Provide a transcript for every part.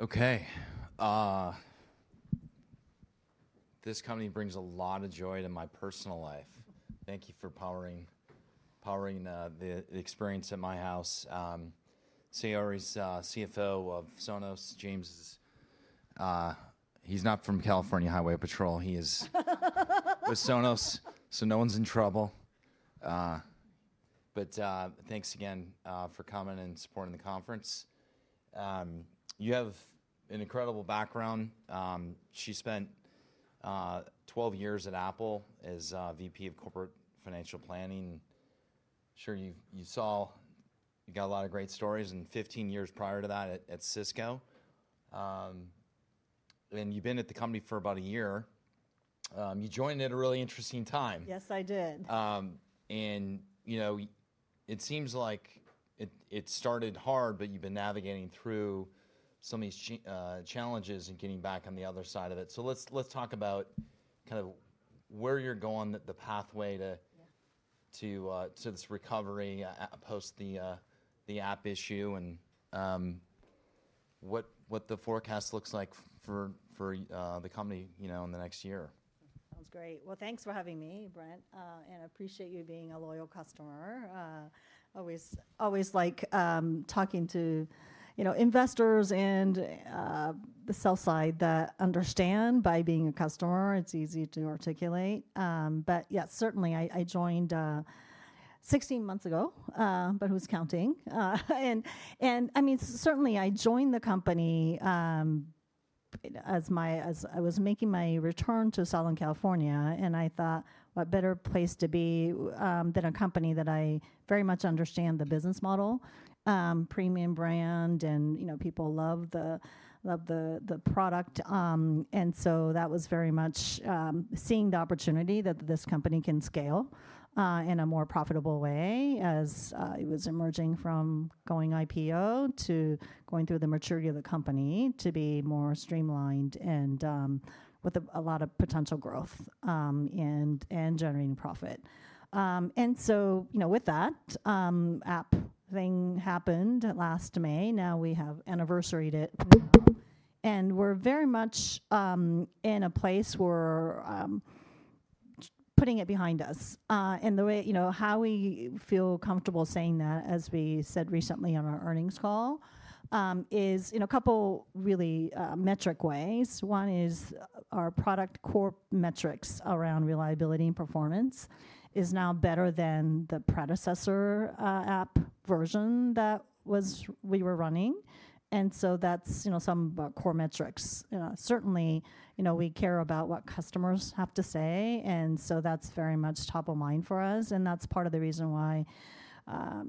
Okay. This company brings a lot of joy to my personal life. Thank you for powering the experience at my house. Saori is CFO of Sonos. James is, he's not from California Highway Patrol. He is with Sonos, so no one's in trouble. Thanks again for coming and supporting the conference. You have an incredible background. She spent 12 years at Apple as VP of Corporate Financial Planning. I'm sure you saw you got a lot of great stories, and 15 years prior to that at Cisco. You've been at the company for about a year. You joined at a really interesting time. Yes, I did. And, you know, it seems like it started hard, but you've been navigating through some of these challenges and getting back on the other side of it. Let's talk about kind of where you're going, the pathway to this recovery post the app issue and what the forecast looks like for the company, you know, in the next year. Sounds great. Thanks for having me, Brent, and I appreciate you being a loyal customer. I always, always like talking to, you know, investors and the sell side that understand by being a customer. It's easy to articulate. Yes, certainly I joined 16 months ago, but who's counting? I mean, certainly I joined the company as I was making my return to Southern California, and I thought, what better place to be than a company that I very much understand the business model, premium brand, and, you know, people love the product. That was very much seeing the opportunity that this company can scale in a more profitable way as it was emerging from going IPO to going through the maturity of the company to be more streamlined and with a lot of potential growth and generating profit. and so, you know, with that, app thing happened last May. Now we have anniversary date, and we're very much, in a place where, putting it behind us. The way, you know, how we feel comfortable saying that, as we said recently on our earnings call, is in a couple really, metric ways. One is our product core metrics around reliability and performance is now better than the predecessor, app version that was we were running. And so that's, you know, some of our core metrics. You know, certainly, you know, we care about what customers have to say. And so that's very much top of mind for us. That's part of the reason why,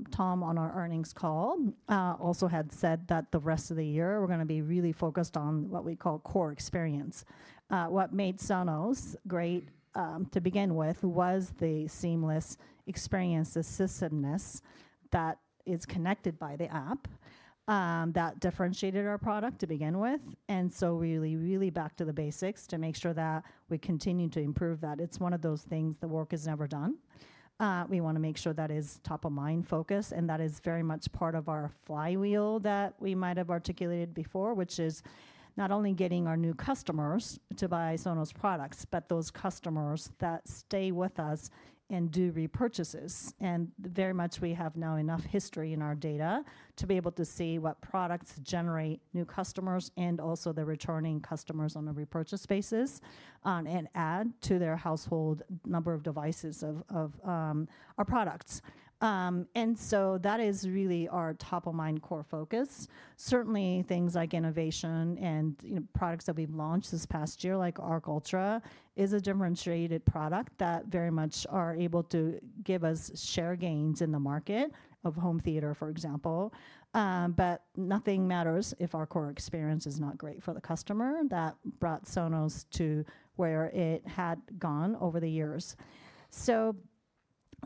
Tom on our earnings call, also had said that the rest of the year we're going to be really focused on what we call core experience. What made Sonos great to begin with was the seamless experience, the systemness that is connected by the app, that differentiated our product to begin with. Really, really back to the basics to make sure that we continue to improve that. It's one of those things that work is never done. We want to make sure that is top of mind focus, and that is very much part of our flywheel that we might have articulated before, which is not only getting our new customers to buy Sonos products, but those customers that stay with us and do repurchases. Very much we have now enough history in our data to be able to see what products generate new customers and also the returning customers on a repurchase basis, and add to their household number of devices of our products. and so that is really our top of mind core focus. Certainly things like innovation and, you know, products that we've launched this past year, like Arc Ultra, is a differentiated product that very much are able to give us share gains in the market of home theater, for example. nothing matters if our core experience is not great for the customer that brought Sonos to where it had gone over the years.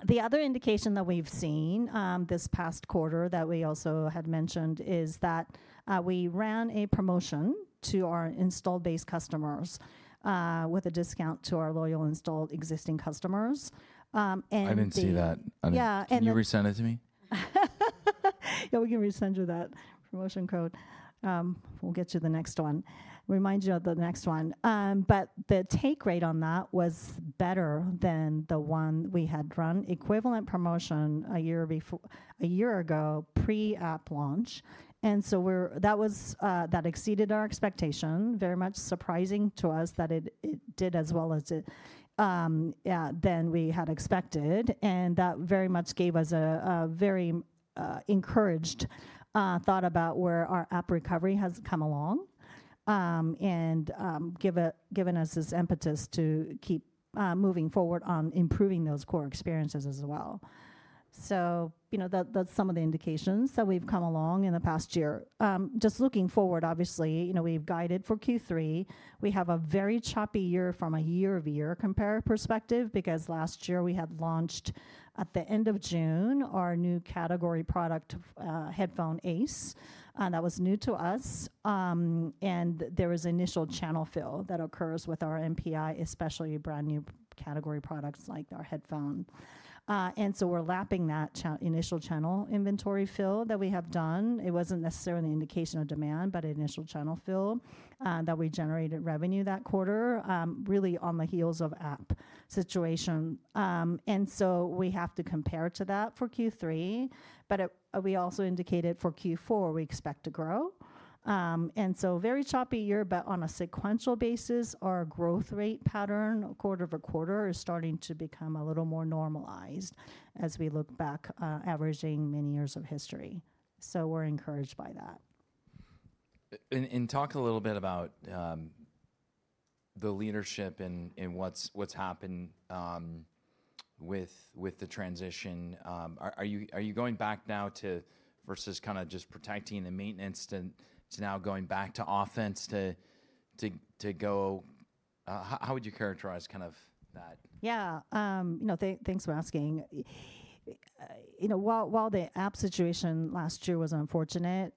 The other indication that we've seen, this past quarter that we also had mentioned is that, we ran a promotion to our install-based customers, with a discount to our loyal installed existing customers. I didn't see that. Yeah. Can you resend it to me? Yeah, we can resend you that promotion code. We'll get you the next one, remind you of the next one. The take rate on that was better than the one we had run, equivalent promotion a year before, a year ago pre-app launch. That exceeded our expectation. Very much surprising to us that it did as well as it, than we had expected. That very much gave us a very encouraged thought about where our app recovery has come along, and given us this impetus to keep moving forward on improving those core experiences as well. You know, that's some of the indications that we've come along in the past year. Just looking forward, obviously, you know, we've guided for Q3. We have a very choppy year from a year-over-year compare perspective because last year we had launched at the end of June our new category product, headphone Ace. That was new to us, and there was initial channel fill that occurs with our NPI, especially brand new category products like our headphone. And so we're lapping that initial channel inventory fill that we have done. It wasn't necessarily an indication of demand, but initial channel fill, that we generated revenue that quarter, really on the heels of that situation. And so we have to compare to that for Q3, but we also indicated for Q4 we expect to grow. And so very choppy year, but on a sequential basis, our growth rate pattern quarter-over-quarter is starting to become a little more normalized as we look back, averaging many years of history. So we're encouraged by that. Talk a little bit about the leadership and what's happened with the transition. Are you going back now to, versus kind of just protecting the maintenance, to now going back to offense? How would you characterize kind of that? Yeah, you know, thanks for asking. You know, while the app situation last year was unfortunate,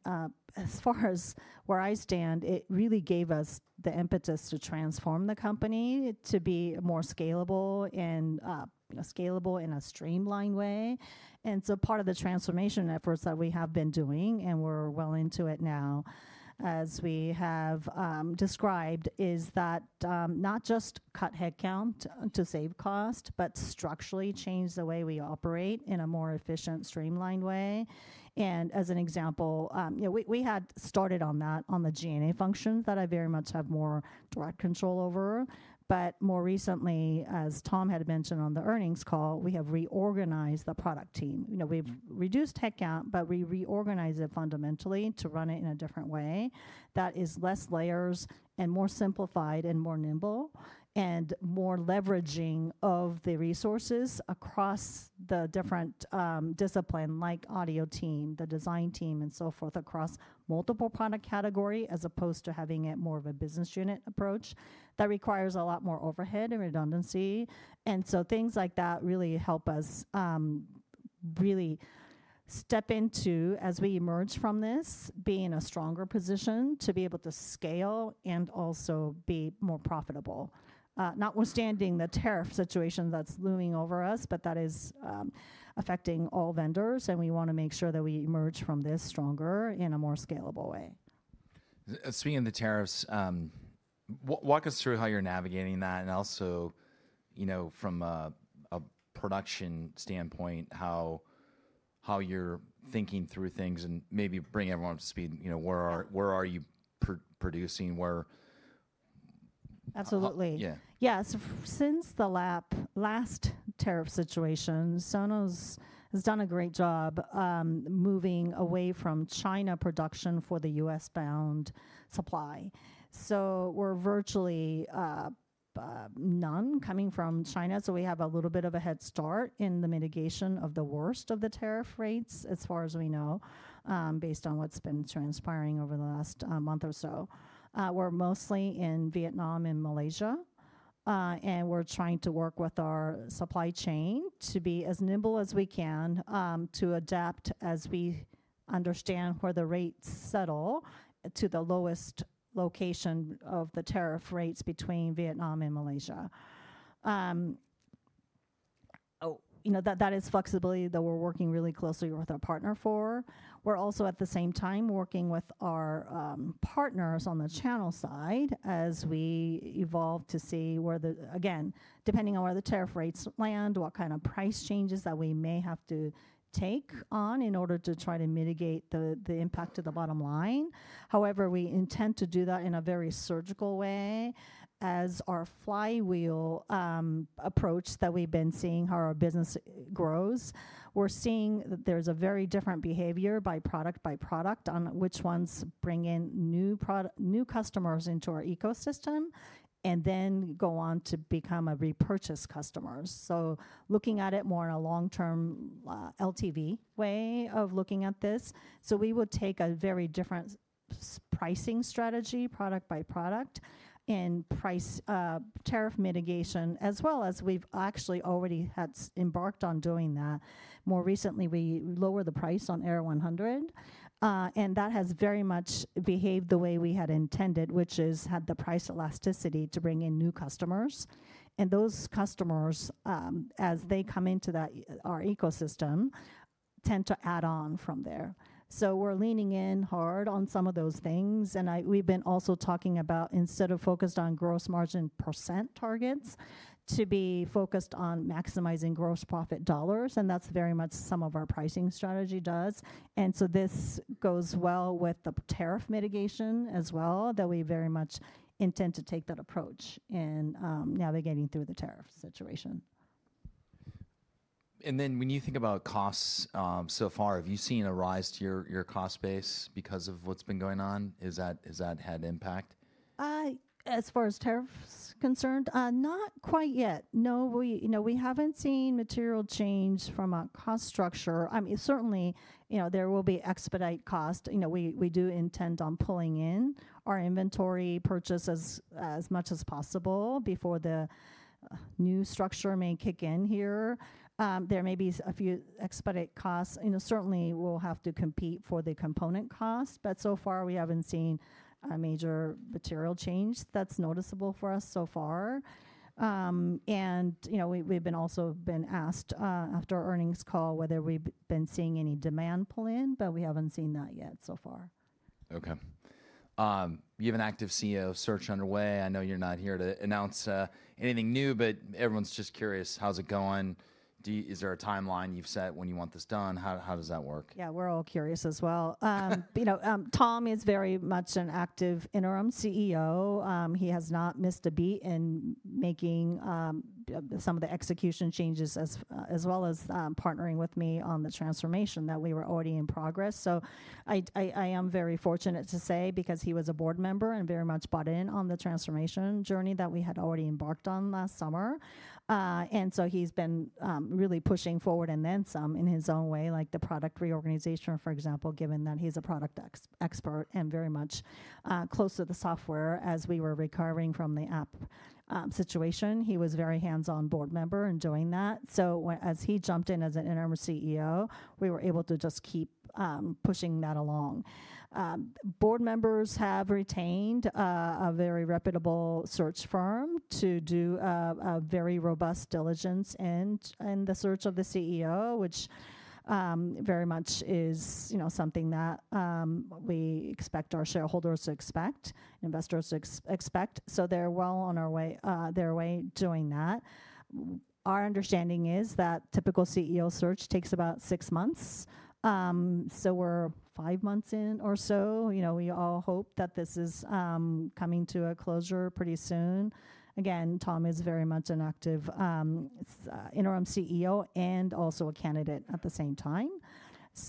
as far as where I stand, it really gave us the impetus to transform the company to be more scalable and, you know, scalable in a streamlined way. Part of the transformation efforts that we have been doing and we're well into it now, as we have described, is that not just cut headcount to save cost, but structurally change the way we operate in a more efficient, streamlined way. As an example, you know, we had started on that on the G&A function that I very much have more direct control over. More recently, as Tom had mentioned on the earnings call, we have reorganized the product team. You know, we've reduced headcount, but we reorganized it fundamentally to run it in a different way that is less layers and more simplified and more nimble and more leveraging of the resources across the different discipline like audio team, the design team, and so forth across multiple product categories as opposed to having it more of a business unit approach that requires a lot more overhead and redundancy. Things like that really help us really step into as we emerge from this being a stronger position to be able to scale and also be more profitable, notwithstanding the tariff situation that's looming over us, but that is affecting all vendors. We want to make sure that we emerge from this stronger in a more scalable way. Speaking of the tariffs, walk us through how you're navigating that. Also, you know, from a production standpoint, how you're thinking through things and maybe bring everyone up to speed, you know, where are you producing, where. Absolutely. Yeah. Yeah. Since the last tariff situation, Sonos has done a great job moving away from China production for the U.S. bound supply. We are virtually none coming from China. We have a little bit of a head start in the mitigation of the worst of the tariff rates as far as we know, based on what's been transpiring over the last month or so. We are mostly in Vietnam and Malaysia, and we are trying to work with our supply chain to be as nimble as we can to adapt as we understand where the rates settle to the lowest location of the tariff rates between Vietnam and Malaysia. You know, that is flexibility that we are working really closely with our partner for. We're also at the same time working with our partners on the channel side as we evolve to see where the, again, depending on where the tariff rates land, what kind of price changes that we may have to take on in order to try to mitigate the impact to the bottom line. However, we intend to do that in a very surgical way as our flywheel approach that we've been seeing how our business grows. We're seeing that there's a very different behavior by product, by product on which ones bring in new customers into our ecosystem and then go on to become a repurchase customer. Looking at it more in a long-term, LTV way of looking at this. We would take a very different pricing strategy, product by product and price, tariff mitigation, as well as we've actually already had embarked on doing that. More recently, we lowered the price on Era 100, and that has very much behaved the way we had intended, which is had the price elasticity to bring in new customers. Those customers, as they come into our ecosystem, tend to add on from there. We're leaning in hard on some of those things. We've been also talking about instead of focused on gross margin percent targets to be focused on maximizing gross profit dollars. That's very much some of our pricing strategy does. This goes well with the tariff mitigation as well that we very much intend to take that approach in navigating through the tariff situation. When you think about costs, so far, have you seen a rise to your cost base because of what's been going on? Is that, is that had impact? As far as tariffs concerned, not quite yet. No, we, you know, we haven't seen material change from a cost structure. I mean, certainly, you know, there will be expedite cost. You know, we do intend on pulling in our inventory purchases as much as possible before the new structure may kick in here. There may be a few expedite costs. You know, certainly we'll have to compete for the component cost, but so far we haven't seen a major material change that's noticeable for us so far. You know, we've also been asked after our earnings call whether we've been seeing any demand pull in, but we haven't seen that yet so far. Okay. You have an active CEO search underway. I know you're not here to announce anything new, but everyone's just curious, how's it going? Do you, is there a timeline you've set when you want this done? How, how does that work? Yeah, we're all curious as well. You know, Tom is very much an active interim CEO. He has not missed a beat in making some of the execution changes as well as partnering with me on the transformation that we were already in progress. I am very fortunate to say because he was a Board member and very much bought in on the transformation journey that we had already embarked on last summer. He has been really pushing forward and then some in his own way, like the product reorganization, for example, given that he's a product expert and very much close to the software as we were recovering from the app situation. He was a very hands-on Board member in doing that. As he jumped in as an interim CEO, we were able to just keep pushing that along. Board members have retained a very reputable search firm to do a very robust diligence in the search of the CEO, which very much is, you know, something that we expect our shareholders to expect, investors to expect. They are well on their way doing that. Our understanding is that typical CEO search takes about six months, so we are five months in or so. You know, we all hope that this is coming to a closure pretty soon. Again, Tom is very much an active interim CEO and also a candidate at the same time.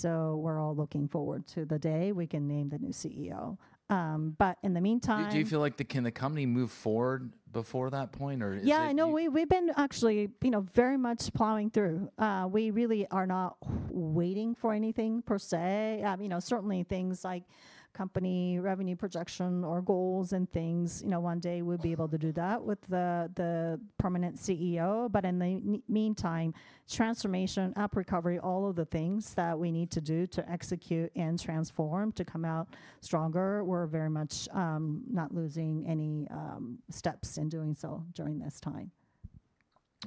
We are all looking forward to the day we can name the new CEO, but in the meantime. Do you feel like the, can the company move forward before that point? Yeah, I know we, we've been actually, you know, very much plowing through. We really are not waiting for anything per se. You know, certainly things like company revenue projection or goals and things, you know, one day we'll be able to do that with the, the permanent CEO. In the meantime, transformation, app recovery, all of the things that we need to do to execute and transform to come out stronger, we're very much not losing any steps in doing so during this time.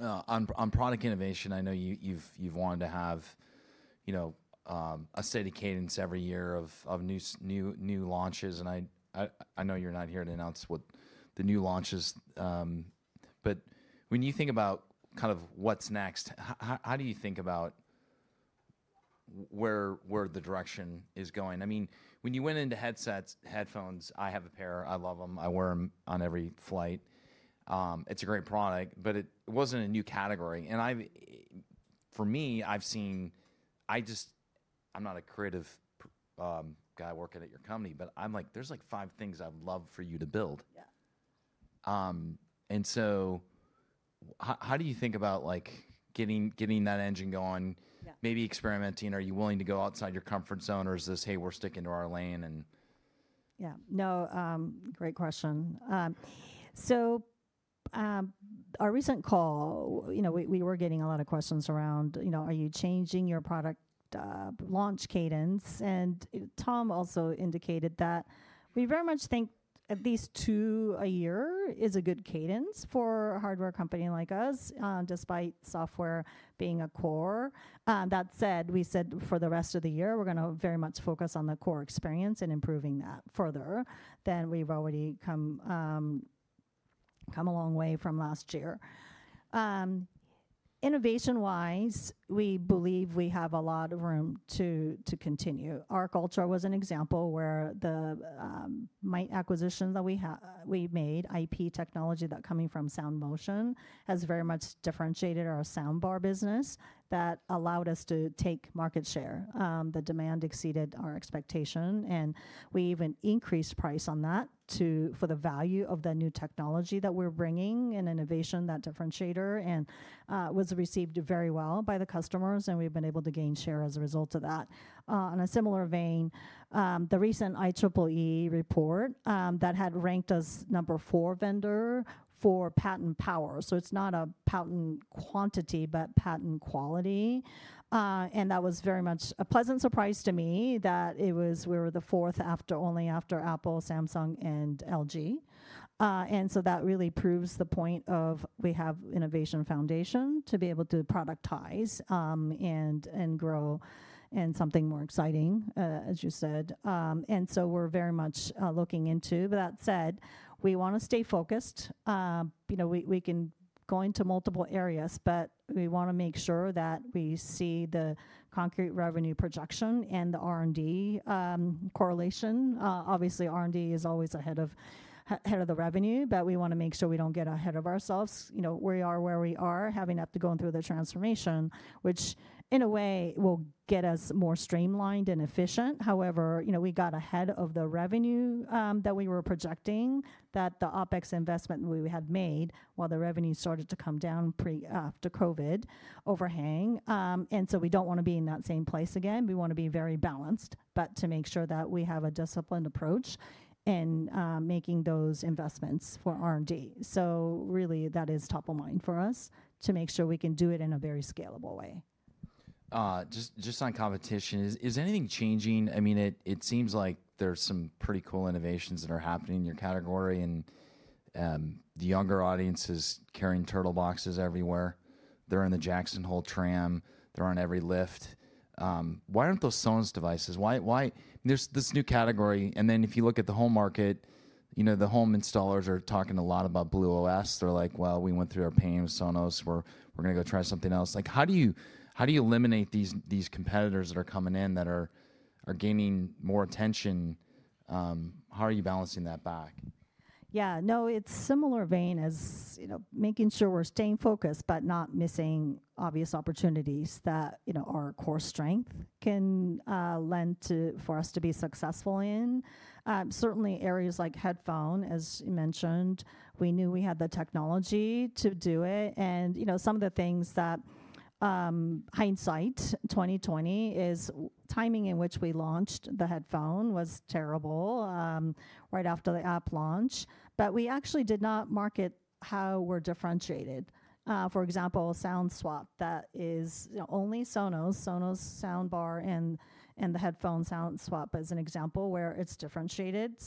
On product innovation, I know you, you've wanted to have, you know, a steady cadence every year of new, new launches. I know you're not here to announce what the new launches are, but when you think about kind of what's next, how do you think about where the direction is going? I mean, when you went into headsets, headphones, I have a pair. I love them. I wear them on every flight. It's a great product, but it wasn't a new category. For me, I've seen, I just, I'm not a creative guy working at your company, but I'm like, there's like five things I'd love for you to build. Yeah. How do you think about like getting that engine going? Yeah. Maybe experimenting. Are you willing to go outside your comfort zone or is this, hey, we're sticking to our lane? Yeah. No, great question. On our recent call, you know, we were getting a lot of questions around, you know, are you changing your product launch cadence? Tom also indicated that we very much think at least two a year is a good cadence for a hardware company like us, despite software being a core. That said, we said for the rest of the year, we're gonna very much focus on the core experience and improving that further than we've already come, come a long way from last year. Innovation-wise, we believe we have a lot of room to continue. Arc Ultra was an example where the acquisition that we made, IP technology that came from Sound Motion, has very much differentiated our soundbar business that allowed us to take market share. The demand exceeded our expectation and we even increased price on that for the value of the new technology that we're bringing and innovation that differentiator, and was received very well by the customers. We've been able to gain share as a result of that. In a similar vein, the recent IEEE report that had ranked us number four vendor for patent power, so it's not a patent quantity but patent quality, and that was very much a pleasant surprise to me that it was, we were the fourth after only after Apple, Samsung, and LG. That really proves the point of we have innovation foundation to be able to productize and grow and something more exciting, as you said. We are very much looking into that said, we wanna stay focused. You know, we can go into multiple areas, but we wanna make sure that we see the concrete revenue projection and the R&D correlation. Obviously, R&D is always ahead of the revenue, but we wanna make sure we don't get ahead of ourselves. You know, we are where we are having to go through the transformation, which in a way will get us more streamlined and efficient. However, you know, we got ahead of the revenue, that we were projecting that the OPEX investment we had made while the revenue started to come down pre, after COVID overhang. And so we don't wanna be in that same place again. We wanna be very balanced, but to make sure that we have a disciplined approach and making those investments for R&D. That is top of mind for us to make sure we can do it in a very scalable way. Just on competition, is anything changing? I mean, it seems like there's some pretty cool innovations that are happening in your category and the younger audience is carrying turtle boxes everywhere. They're on the Jackson Hole tram. They're on every lift. Why aren't those Sonos devices? Why is there this new category? And then if you look at the home market, you know, the home installers are talking a lot about Blue OS. They're like, well, we went through our pain with Sonos. We're gonna go try something else. How do you eliminate these competitors that are coming in that are gaining more attention? How are you balancing that back? Yeah. No, it's similar vein as, you know, making sure we're staying focused, but not missing obvious opportunities that, you know, our core strength can lend to for us to be successful in. Certainly areas like headphone, as you mentioned, we knew we had the technology to do it. And, you know, some of the things that, hindsight 2020 is timing in which we launched the headphone was terrible, right after the app launch, but we actually did not market how we're differentiated. For example, Sound Swap, that is only Sonos, Sonos Soundbar and, and the headphone Sound Swap as an example where it's differentiated.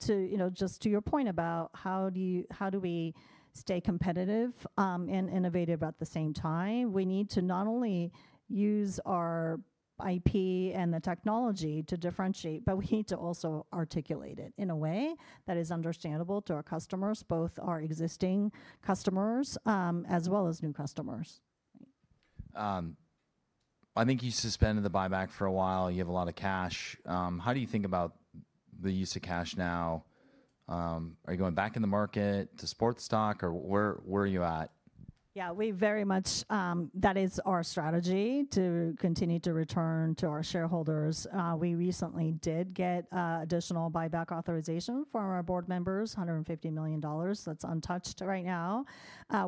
To, you know, just to your point about how do you, how do we stay competitive, and innovative at the same time? We need to not only use our IP and the technology to differentiate, but we need to also articulate it in a way that is understandable to our customers, both our existing customers, as well as new customers. I think you suspended the buyback for a while. You have a lot of cash. How do you think about the use of cash now? Are you going back in the market to support stock or where, where are you at? Yeah, we very much, that is our strategy to continue to return to our shareholders. We recently did get additional buyback authorization from our Board members, $150 million. That's untouched right now.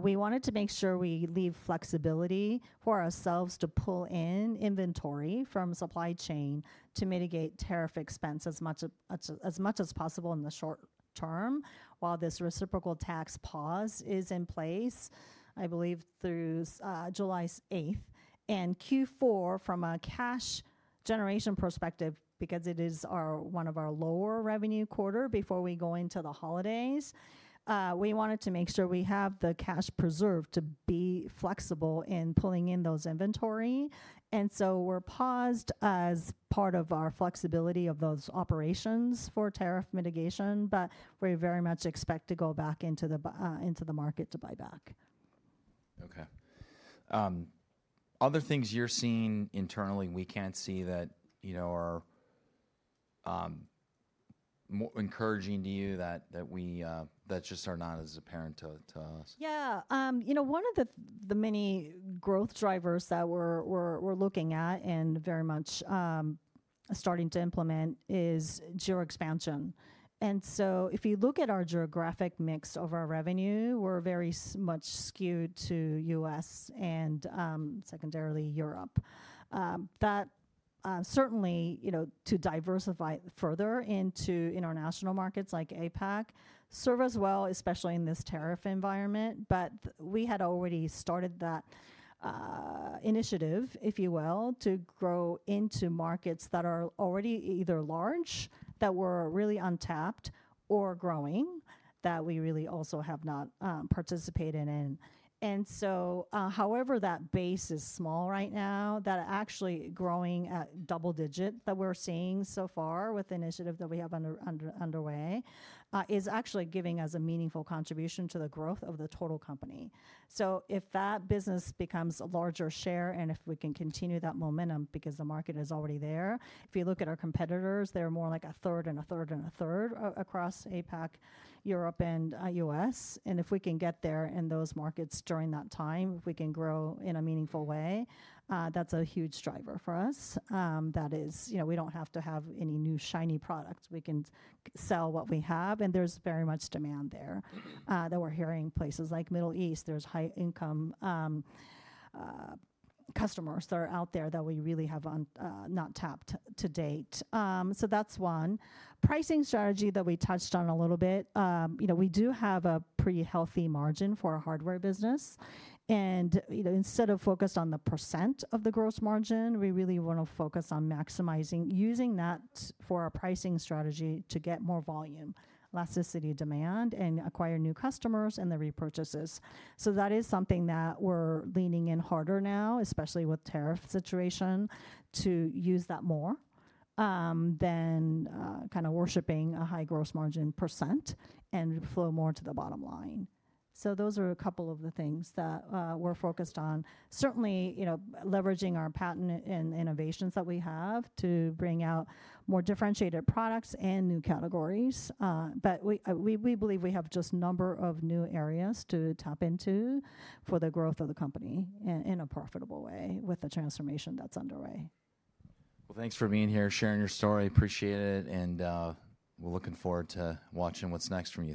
We wanted to make sure we leave flexibility for ourselves to pull in inventory from supply chain to mitigate tariff expense as much as possible in the short term while this reciprocal tax pause is in place, I believe through July 8th and Q4 from a cash generation perspective, because it is our one of our lower revenue quarter before we go into the holidays. We wanted to make sure we have the cash preserved to be flexible in pulling in those inventory. And so we're paused as part of our flexibility of those operations for tariff mitigation, but we very much expect to go back into the, into the market to buy back. Okay. Other things you're seeing internally, we can't see that, you know, are more encouraging to you that, that just are not as apparent to us. Yeah. You know, one of the many growth drivers that we're looking at and very much starting to implement is geo expansion. If you look at our geographic mix of our revenue, we're very much skewed to U.S. and, secondarily, Europe. That, certainly, you know, to diversify further into international markets like APAC serves us well, especially in this tariff environment. We had already started that initiative, if you will, to grow into markets that are already either large that were really untapped or growing that we really also have not participated in. However, that base is small right now, actually growing at double digit that we're seeing so far with the initiative that we have underway, is actually giving us a meaningful contribution to the growth of the total company. If that business becomes a larger share and if we can continue that momentum because the market is already there, if you look at our competitors, they're more like 1/3 and 1/3 and 1/3 across APAC, Europe, and U.S. If we can get there in those markets during that time, if we can grow in a meaningful way, that's a huge driver for us. That is, you know, we don't have to have any new shiny products. We can sell what we have and there's very much demand there, that we're hearing. Places like Middle East, there's high income, customers that are out there that we really have not tapped to date. So that's one pricing strategy that we touched on a little bit. You know, we do have a pretty healthy margin for our hardware business. You know, instead of focused on the percent of the gross margin, we really wanna focus on maximizing, using that for our pricing strategy to get more volume, elasticity, demand, and acquire new customers and the repurchases. That is something that we're leaning in harder now, especially with tariff situation to use that more, than, kind of worshiping a high gross margin percent and flow more to the bottom line. Those are a couple of the things that we're focused on. Certainly, you know, leveraging our patent and innovations that we have to bring out more differentiated products and new categories. We believe we have just a number of new areas to tap into for the growth of the company in a profitable way with the transformation that's underway. Thanks for being here, sharing your story. Appreciate it. We're looking forward to watching what's next from you.